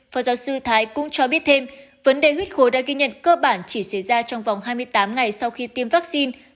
phó giáo sư thái cũng cho biết thêm vấn đề huyết khối đã ghi nhận cơ bản chỉ xảy ra trong vòng hai mươi tám ngày sau khi tiêm vaccine